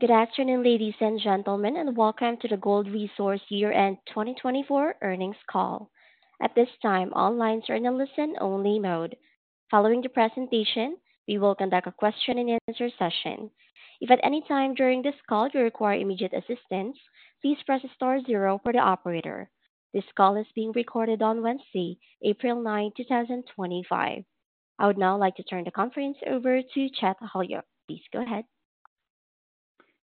Good afternoon, ladies and gentlemen, and welcome to the Gold Resource Year-End 2024 earnings call. At this time, all lines are in a listen-only mode. Following the presentation, we will conduct a question-and-answer session. If at any time during this call you require immediate assistance, please press star zero for the operator. This call is being recorded on Wednesday, April 9, 2025. I would now like to turn the conference over to Chet Holyoak. Please go ahead.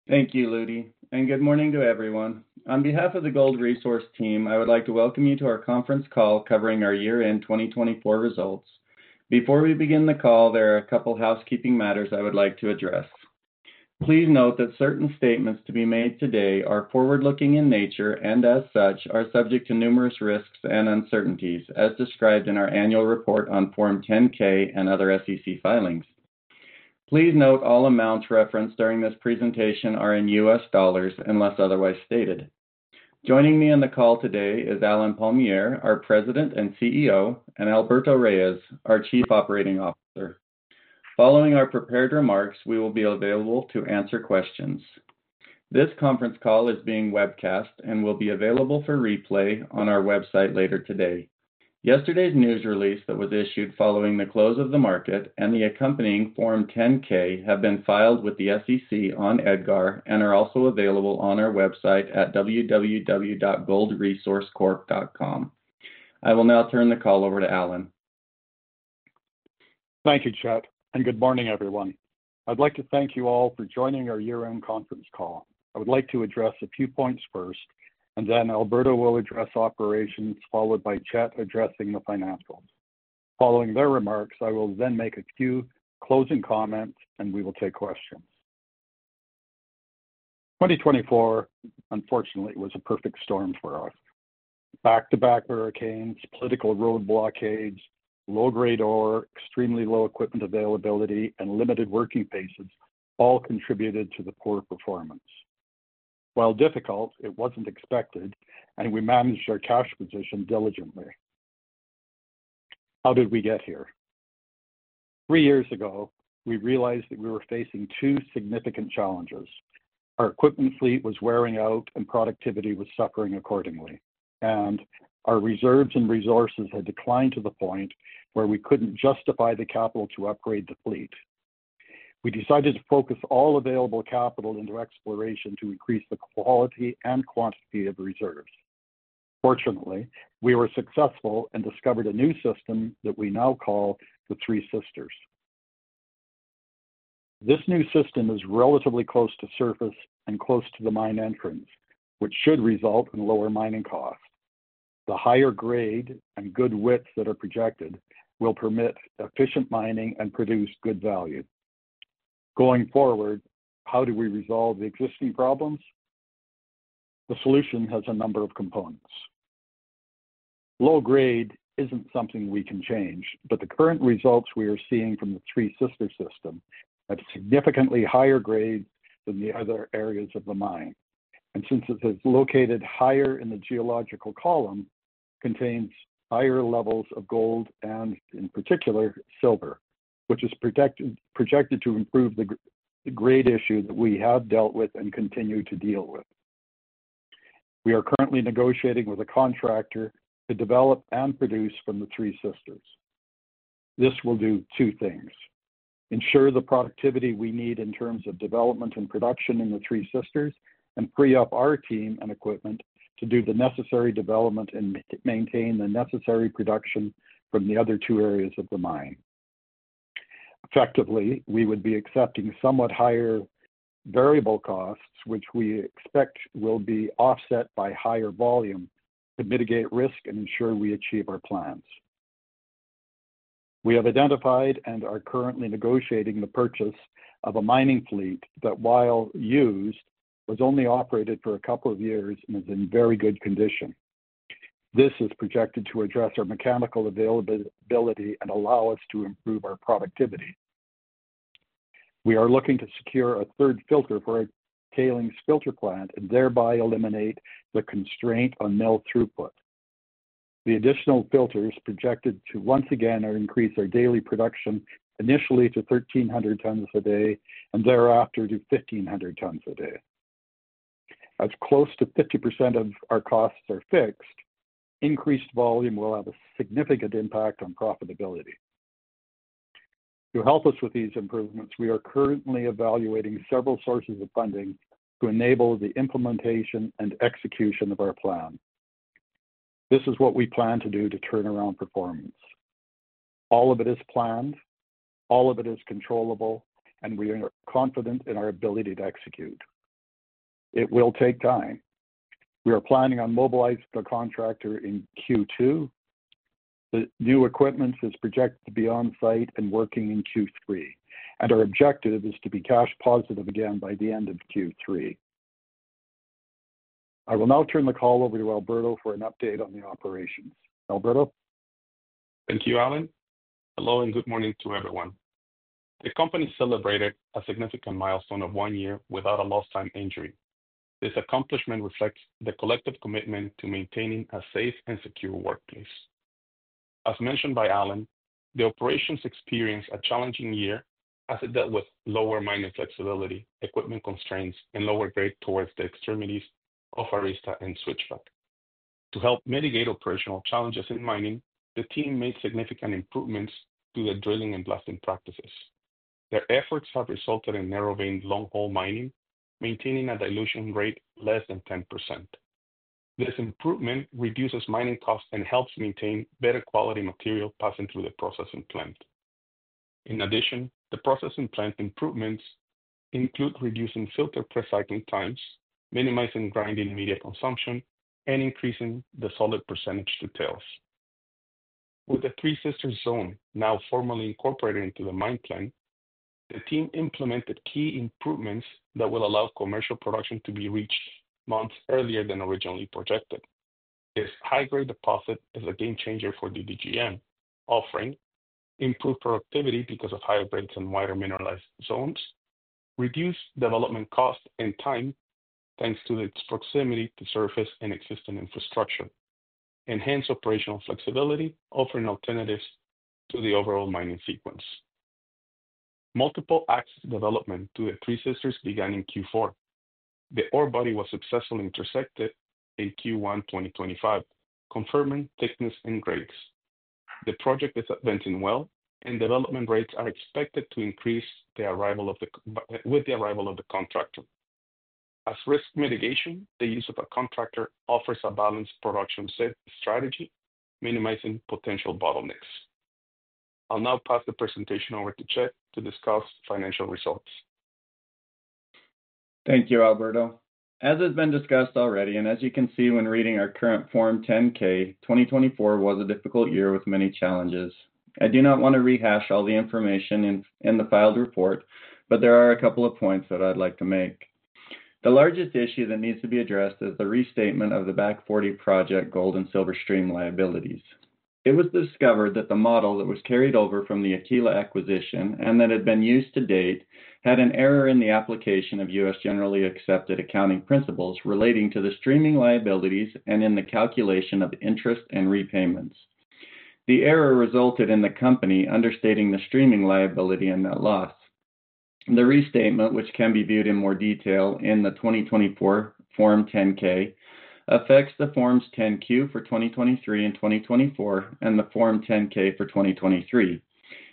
Thank you, Lody. Good morning to everyone. On behalf of the Gold Resource team, I would like to welcome you to our conference call covering our year-end 2024 results. Before we begin the call, there are a couple of housekeeping matters I would like to address. Please note that certain statements to be made today are forward-looking in nature and, as such, are subject to numerous risks and uncertainties, as described in our annual report on Form 10-K and other SEC filings. Please note all amounts referenced during this presentation are in U.S. dollars unless otherwise stated. Joining me on the call today is Allen Palmiere, our President and CEO, and Alberto Reyes, our Chief Operating Officer. Following our prepared remarks, we will be available to answer questions. This conference call is being webcast and will be available for replay on our website later today. Yesterday's news release that was issued following the close of the market and the accompanying Form 10-K have been filed with the SEC on EDGAR and are also available on our website at www.goldresourcecorp.com. I will now turn the call over to Allen. Thank you, Chet, and good morning, everyone. I'd like to thank you all for joining our year-end conference call. I would like to address a few points first, and then Alberto will address operations, followed by Chet addressing the financials. Following their remarks, I will then make a few closing comments, and we will take questions. 2024, unfortunately, was a perfect storm for us. Back-to-back hurricanes, political road blockades, low-grade ore, extremely low equipment availability, and limited working spaces all contributed to the poor performance. While difficult, it was not expected, and we managed our cash position diligently. How did we get here? Three years ago, we realized that we were facing two significant challenges. Our equipment fleet was wearing out, and productivity was suffering accordingly. Our reserves and resources had declined to the point where we could not justify the capital to upgrade the fleet. We decided to focus all available capital into exploration to increase the quality and quantity of reserves. Fortunately, we were successful and discovered a new system that we now call the Three Sisters. This new system is relatively close to surface and close to the mine entrance, which should result in lower mining costs. The higher grade and good width that are projected will permit efficient mining and produce good value. Going forward, how do we resolve existing problems? The solution has a number of components. Low grade is not something we can change, but the current results we are seeing from the Three Sisters system have significantly higher grades than the other areas of the mine. Since it is located higher in the geological column, it contains higher levels of gold and, in particular, silver, which is projected to improve the grade issue that we have dealt with and continue to deal with. We are currently negotiating with a contractor to develop and produce from the Three Sisters. This will do two things: ensure the productivity we need in terms of development and production in the Three Sisters, and free up our team and equipment to do the necessary development and maintain the necessary production from the other two areas of the mine. Effectively, we would be accepting somewhat higher variable costs, which we expect will be offset by higher volume to mitigate risk and ensure we achieve our plans. We have identified and are currently negotiating the purchase of a mining fleet that, while used, was only operated for a couple of years and is in very good condition. This is projected to address our mechanical availability and allow us to improve our productivity. We are looking to secure a third filter for our tailings filter plant and thereby eliminate the constraint on mill throughput. The additional filters are projected to once again increase our daily production initially to 1,300 tons a day and thereafter to 1,500 tons a day. As close to 50% of our costs are fixed, increased volume will have a significant impact on profitability. To help us with these improvements, we are currently evaluating several sources of funding to enable the implementation and execution of our plan. This is what we plan to do to turn around performance. All of it is planned. All of it is controllable. We are confident in our ability to execute. It will take time. We are planning on mobilizing the contractor in Q2. The new equipment is projected to be on site and working in Q3. Our objective is to be cash positive again by the end of Q3. I will now turn the call over to Alberto for an update on the operations. Alberto? Thank you, Allen. Hello and good morning to everyone. The company celebrated a significant milestone of one year without a lost-time injury. This accomplishment reflects the collective commitment to maintaining a safe and secure workplace. As mentioned by Allen, the operations experienced a challenging year as it dealt with lower mining flexibility, equipment constraints, and lower grade towards the extremities of Arista and Switchback. To help mitigate operational challenges in mining, the team made significant improvements to their drilling and blasting practices. Their efforts have resulted in narrow-veined long-haul mining, maintaining a dilution rate less than 10%. This improvement reduces mining costs and helps maintain better quality material passing through the processing plant. In addition, the processing plant improvements include reducing filter pre-cycling times, minimizing grinding media consumption, and increasing the solid percentage to tails. With the Three Sisters zone now formally incorporated into the mine plan, the team implemented key improvements that will allow commercial production to be reached months earlier than originally projected. This high-grade deposit is a game changer for DDGM, offering improved productivity because of higher grades and wider mineralized zones, reduced development costs and time thanks to its proximity to surface and existing infrastructure, enhanced operational flexibility, offering alternatives to the overall mining sequence. Multiple axes of development to the Three Sisters began in Q4. The ore body was successfully intersected in Q1 2025, confirming thickness and grades. The project is advancing well, and development rates are expected to increase with the arrival of the contractor. As risk mitigation, the use of a contractor offers a balanced production strategy, minimizing potential bottlenecks. I'll now pass the presentation over to Chet to discuss financial results. Thank you, Alberto. As has been discussed already, and as you can see when reading our current Form 10-K, 2024 was a difficult year with many challenges. I do not want to rehash all the information in the filed report, but there are a couple of points that I'd like to make. The largest issue that needs to be addressed is the restatement of the Back 40 Project Gold and Silver Stream liabilities. It was discovered that the model that was carried over from the Akila acquisition and that had been used to date had an error in the application of U.S. generally accepted accounting principles relating to the streaming liabilities and in the calculation of interest and repayments. The error resulted in the company understating the streaming liability and that loss. The restatement, which can be viewed in more detail in the 2024 Form 10-K, affects the Forms 10-Q for 2023 and 2024 and the Form 10-K for 2023.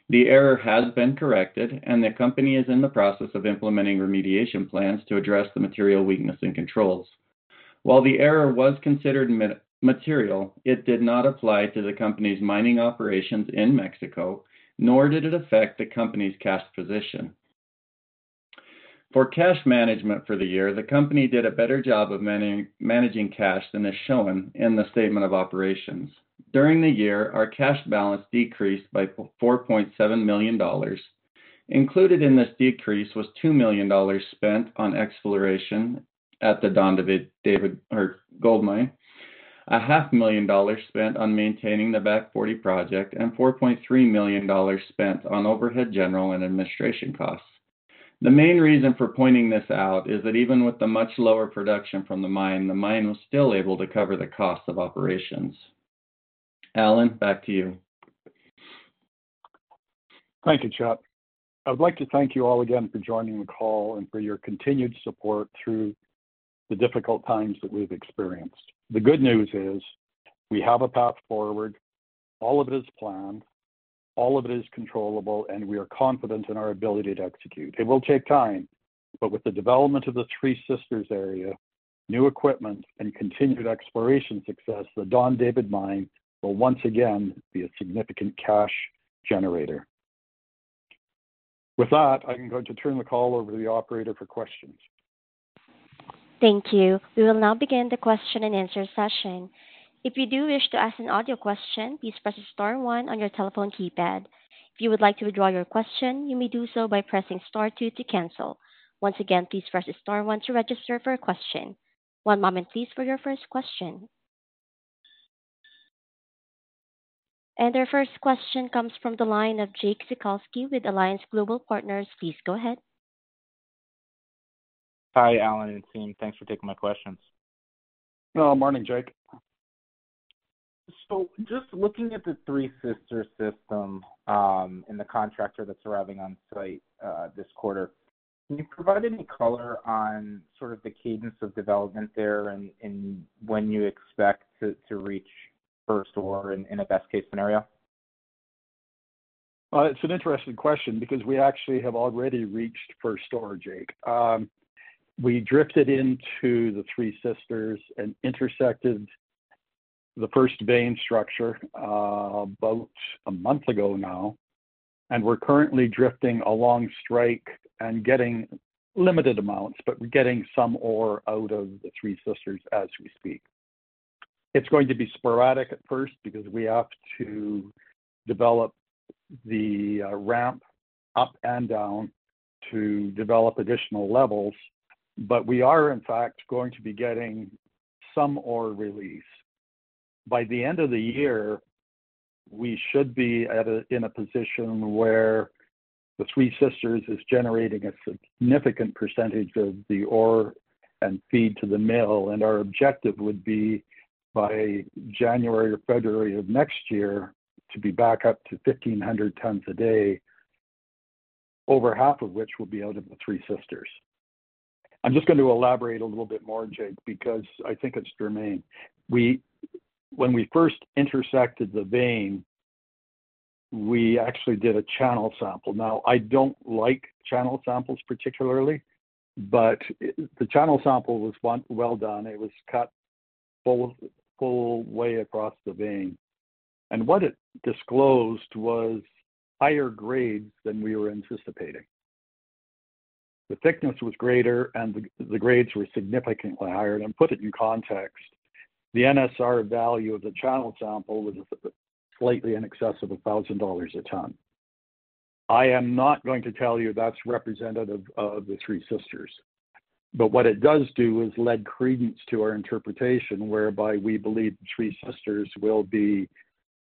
The error has been corrected, and the company is in the process of implementing remediation plans to address the material weakness in controls. While the error was considered material, it did not apply to the company's mining operations in Mexico, nor did it affect the company's cash position. For cash management for the year, the company did a better job of managing cash than is shown in the statement of operations. During the year, our cash balance decreased by $4.7 million. Included in this decrease was $2 million spent on exploration at the Don David Gold Mine, $500,000 spent on maintaining the Back 40 Project, and $4.3 million spent on overhead general and administration costs. The main reason for pointing this out is that even with the much lower production from the mine, the mine was still able to cover the costs of operations. Allen, back to you. Thank you, Chet. I would like to thank you all again for joining the call and for your continued support through the difficult times that we've experienced. The good news is we have a path forward. All of it is planned. All of it is controllable. We are confident in our ability to execute. It will take time, but with the development of the Three Sisters area, new equipment, and continued exploration success, the Don David mine will once again be a significant cash generator. With that, I'm going to turn the call over to the operator for questions. Thank you. We will now begin the question-and-answer session. If you do wish to ask an audio question, please press star one on your telephone keypad. If you would like to withdraw your question, you may do so by pressing star two to cancel. Once again, please press star one to register for a question. One moment, please, for your first question. Our first question comes from the line of Jake Zukowski with Alliance Global Partners. Please go ahead. Hi, Allen and team. Thanks for taking my questions. Good morning, Jake. So just looking at the Three Sisters system and the contractor that's arriving on site this quarter, can you provide any color on sort of the cadence of development there and when you expect to reach first ore in a best case scenario? It's an interesting question because we actually have already reached first ore, Jake. We drifted into the Three Sisters and intersected the first vein structure about a month ago now. We are currently drifting along strike and getting limited amounts, but we are getting some ore out of the Three Sisters as we speak. It's going to be sporadic at first because we have to develop the ramp up and down to develop additional levels, but we are, in fact, going to be getting some ore release. By the end of the year, we should be in a position where the Three Sisters is generating a significant percentage of the ore and feed to the mill. Our objective would be, by January or February of next year, to be back up to 1,500 tons a day, over half of which will be out of the Three Sisters. I'm just going to elaborate a little bit more, Jake, because I think it's germane. When we first intersected the vein, we actually did a channel sample. Now, I don't like channel samples particularly, but the channel sample was well done. It was cut full way across the vein. What it disclosed was higher grades than we were anticipating. The thickness was greater, and the grades were significantly higher. To put it in context, the NSR value of the channel sample was slightly in excess of $1,000 a ton. I am not going to tell you that's representative of the Three Sisters. What it does do is lend credence to our interpretation, whereby we believe the Three Sisters will be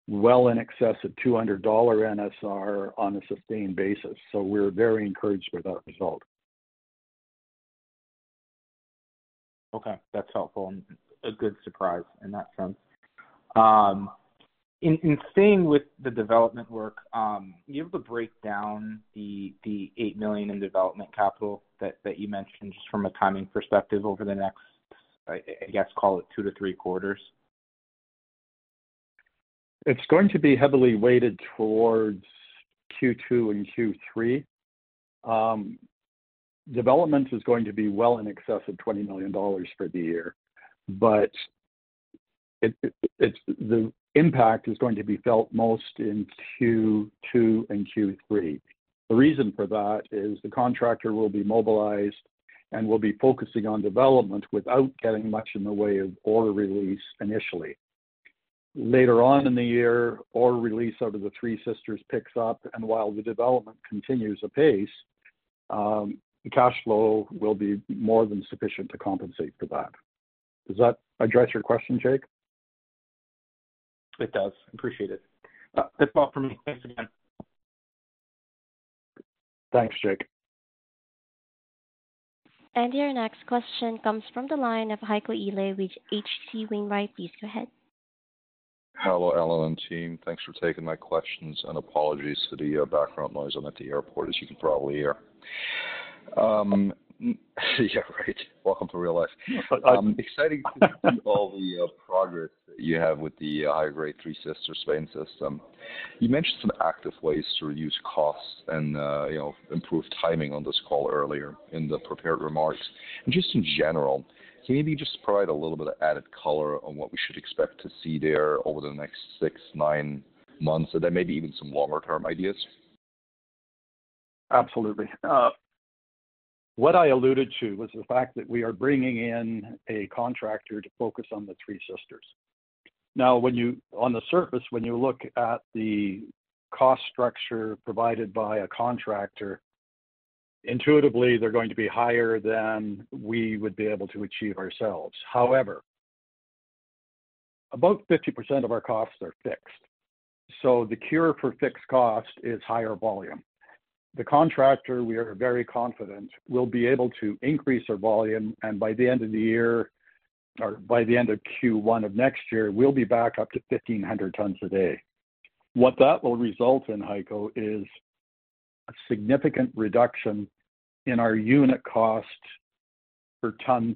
well in excess of $200 NSR on a sustained basis. We are very encouraged with that result. Okay. That's helpful. A good surprise in that sense. In staying with the development work, you have to break down the $8 million in development capital that you mentioned just from a timing perspective over the next, I guess, call it two to three quarters? It's going to be heavily weighted towards Q2 and Q3. Development is going to be well in excess of $20 million for the year. The impact is going to be felt most in Q2 and Q3. The reason for that is the contractor will be mobilized and will be focusing on development without getting much in the way of ore release initially. Later on in the year, ore release out of the Three Sisters picks up. While the development continues apace, the cash flow will be more than sufficient to compensate for that. Does that address your question, Jake? It does. Appreciate it. That's all from me. Thanks again. Thanks, Jake. And your next question comes from the line of Heiko Ihle with H.C. Wainwright & Co. Please go ahead. Hello, Allen and team. Thanks for taking my questions. Apologies for the background noise at the airport, as you can probably hear. Yeah, right. Welcome to real life. Exciting to see all the progress that you have with the high-grade Three Sisters vein system. You mentioned some active ways to reduce costs and improve timing on this call earlier in the prepared remarks. In general, can you maybe just provide a little bit of added color on what we should expect to see there over the next six, nine months, and then maybe even some longer-term ideas? Absolutely. What I alluded to was the fact that we are bringing in a contractor to focus on the Three Sisters. Now, on the surface, when you look at the cost structure provided by a contractor, intuitively, they're going to be higher than we would be able to achieve ourselves. However, about 50% of our costs are fixed. The cure for fixed cost is higher volume. The contractor we are very confident will be able to increase our volume. By the end of the year or by the end of Q1 of next year, we'll be back up to 1,500 tons a day. What that will result in, Heiko, is a significant reduction in our unit cost per ton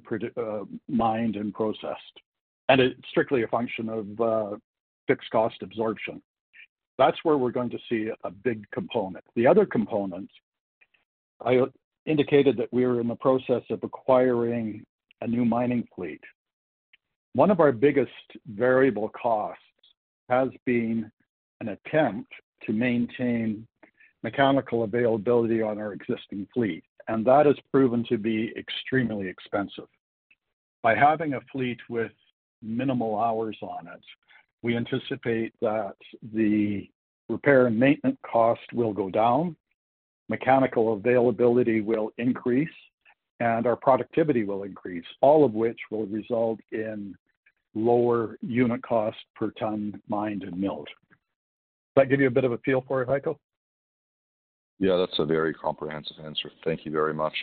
mined and processed. It is strictly a function of fixed cost absorption. That is where we're going to see a big component. The other component, I indicated that we are in the process of acquiring a new mining fleet. One of our biggest variable costs has been an attempt to maintain mechanical availability on our existing fleet. That has proven to be extremely expensive. By having a fleet with minimal hours on it, we anticipate that the repair and maintenance cost will go down, mechanical availability will increase, and our productivity will increase, all of which will result in lower unit cost per ton mined and milled. Does that give you a bit of a feel for it, Heiko? Yeah, that's a very comprehensive answer. Thank you very much.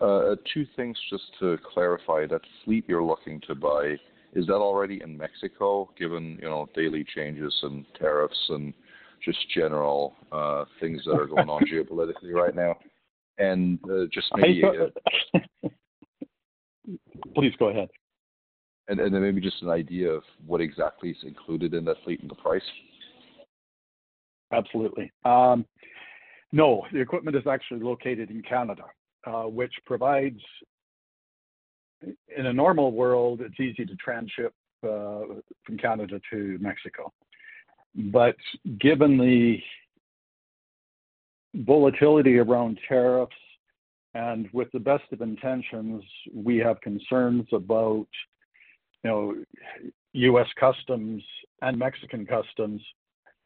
Two things just to clarify. That fleet you're looking to buy, is that already in Mexico, given daily changes and tariffs and just general things that are going on geopolitically right now? And just maybe. Please go ahead. Maybe just an idea of what exactly is included in that fleet and the price? Absolutely. No, the equipment is actually located in Canada, which provides, in a normal world, it's easy to transship from Canada to Mexico. Given the volatility around tariffs and with the best of intentions, we have concerns about U.S. customs and Mexican customs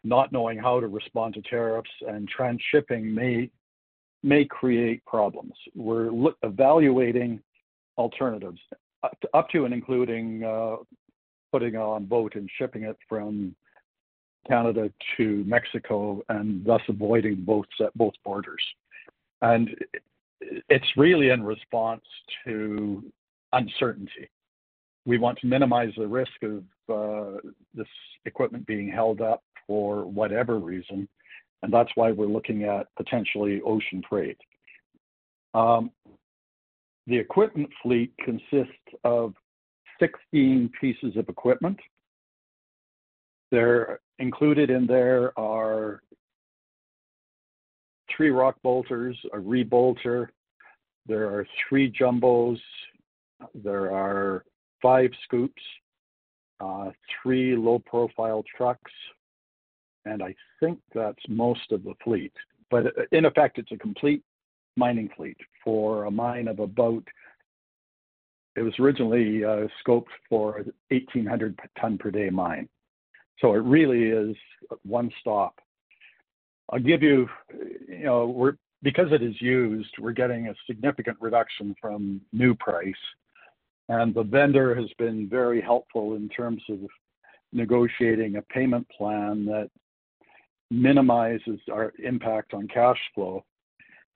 not knowing how to respond to tariffs and transshipping may create problems. We are evaluating alternatives up to and including putting it on a boat and shipping it from Canada to Mexico and thus avoiding both borders. It is really in response to uncertainty. We want to minimize the risk of this equipment being held up for whatever reason. That is why we are looking at potentially ocean freight. The equipment fleet consists of 16 pieces of equipment. Included in there are three rock bolters, a re-bolter, three jumboes, five scoops, and three low-profile trucks. I think that is most of the fleet. In effect, it's a complete mining fleet for a mine of about, it was originally scoped for an 1,800-ton-per-day mine. It really is one stop. I'll give you, because it is used, we're getting a significant reduction from new price. The vendor has been very helpful in terms of negotiating a payment plan that minimizes our impact on cash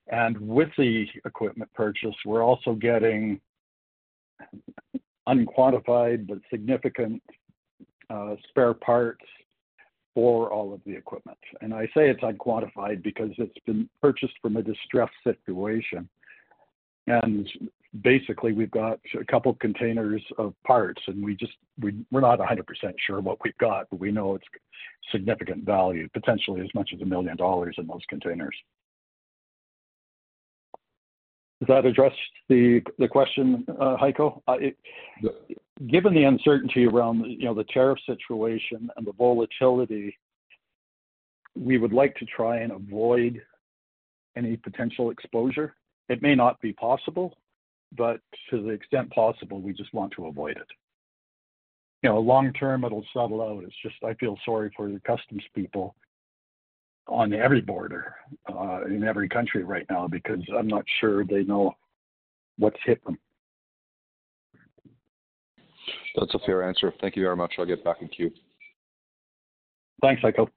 flow. With the equipment purchase, we're also getting unquantified but significant spare parts for all of the equipment. I say it's unquantified because it's been purchased from a distressed situation. Basically, we've got a couple of containers of parts. We're not 100% sure what we've got, but we know it's significant value, potentially as much as $1 million in those containers. Does that address the question, Heiko? Yeah. Given the uncertainty around the tariff situation and the volatility, we would like to try and avoid any potential exposure. It may not be possible, but to the extent possible, we just want to avoid it. Long term, it'll settle out. I feel sorry for the customs people on every border in every country right now because I'm not sure they know what's hit them. That's a fair answer. Thank you very much. I'll get back in queue. Thanks, Heiko.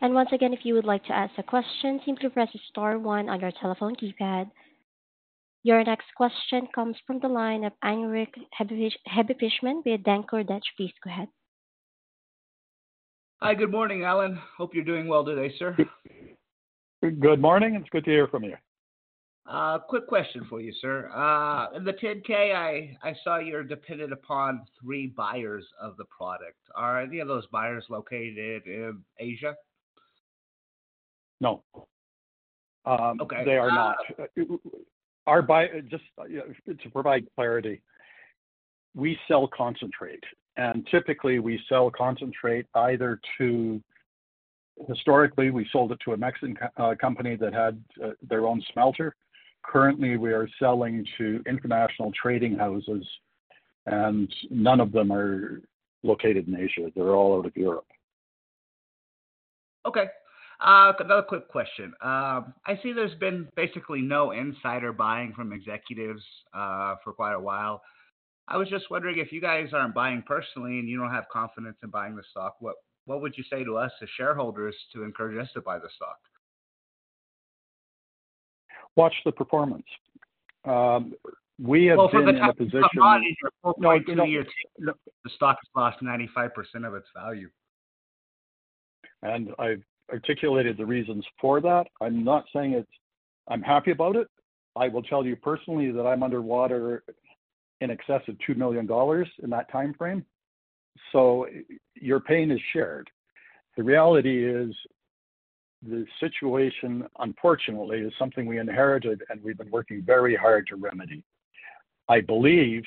If you would like to ask a question, simply press star one on your telephone keypad. Your next question comes from the line of. [inaudible] Please go ahead. Hi, good morning, Allen. Hope you're doing well today, sir. Good morning. It's good to hear from you. Quick question for you, sir. In the 10-K, I saw you're dependent upon three buyers of the product. Are any of those buyers located in Asia? No. They are not. Just to provide clarity, we sell concentrate. Typically, we sell concentrate either to, historically, we sold it to a Mexican company that had their own smelter. Currently, we are selling to international trading houses. None of them are located in Asia. They are all out of Europe. Okay. Another quick question. I see there's been basically no insider buying from executives for quite a while. I was just wondering if you guys aren't buying personally and you don't have confidence in buying the stock, what would you say to us as shareholders to encourage us to buy the stock? Watch the performance. We have been in a position. For the top 19 years, the stock has lost 95% of its value. I have articulated the reasons for that. I'm not saying I'm happy about it. I will tell you personally that I'm underwater in excess of $2 million in that timeframe. Your pain is shared. The reality is the situation, unfortunately, is something we inherited and we've been working very hard to remedy. I believe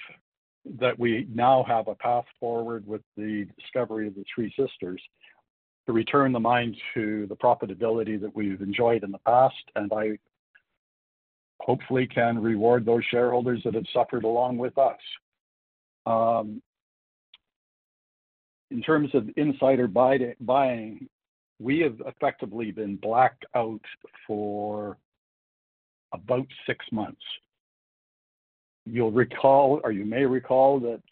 that we now have a path forward with the discovery of the Three Sisters to return the mine to the profitability that we've enjoyed in the past. I hopefully can reward those shareholders that have suffered along with us. In terms of insider buying, we have effectively been blacked out for about six months. You will recall, or you may recall, that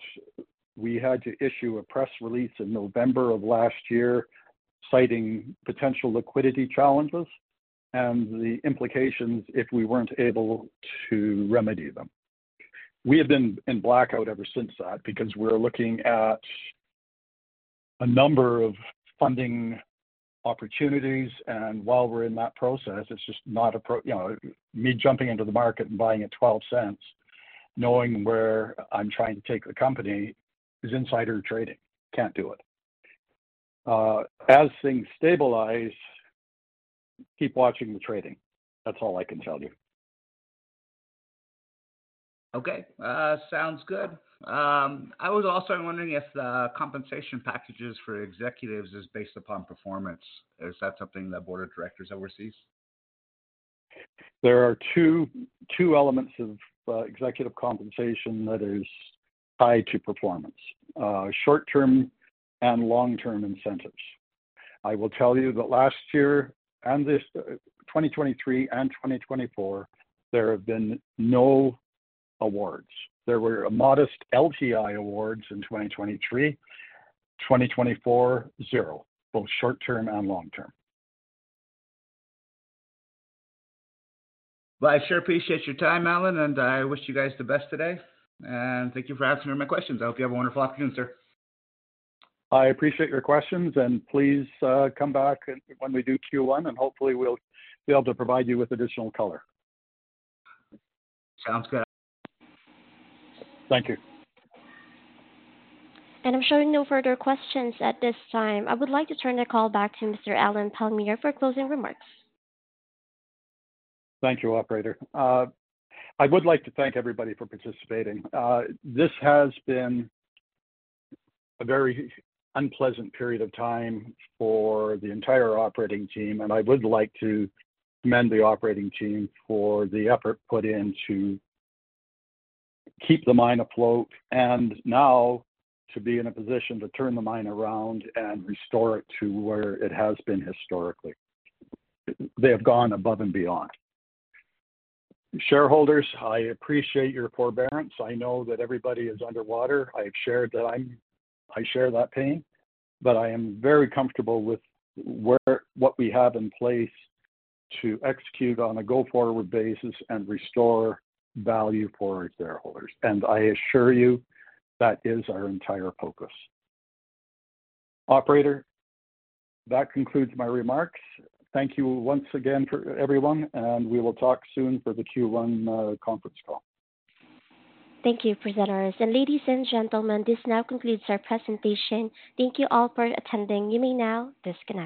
we had to issue a press release in November of last year citing potential liquidity challenges and the implications if we were not able to remedy them. We have been in blackout ever since that because we're looking at a number of funding opportunities. While we're in that process, it's just not me jumping into the market and buying at $0.12, knowing where I'm trying to take the company is insider trading. Can't do it. As things stabilize, keep watching the trading. That's all I can tell you. Okay. Sounds good. I was also wondering if the compensation packages for executives is based upon performance. Is that something that board of directors oversees? There are two elements of executive compensation that are tied to performance: short-term and long-term incentives. I will tell you that last year, and 2023 and 2024, there have been no awards. There were modest LTI awards in 2023, 2024, zero, both short-term and long-term. I sure appreciate your time, Allen. I wish you guys the best today. Thank you for answering my questions. I hope you have a wonderful afternoon, sir. I appreciate your questions. Please come back when we do Q1. Hopefully, we'll be able to provide you with additional color. Sounds good. Thank you. I am showing no further questions at this time. I would like to turn the call back to Mr. Allen Palmiere for closing remarks. Thank you, Operator. I would like to thank everybody for participating. This has been a very unpleasant period of time for the entire operating team. I would like to commend the operating team for the effort put in to keep the mine afloat and now to be in a position to turn the mine around and restore it to where it has been historically. They have gone above and beyond. Shareholders, I appreciate your forbearance. I know that everybody is underwater. I have shared that I share that pain. I am very comfortable with what we have in place to execute on a go-forward basis and restore value for our shareholders. I assure you that is our entire focus. Operator, that concludes my remarks. Thank you once again for everyone. We will talk soon for the Q1 conference call. Thank you, presenters. Ladies and gentlemen, this now concludes our presentation. Thank you all for attending. You may now disconnect.